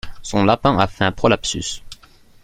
Son lapin a fait un prolapsus.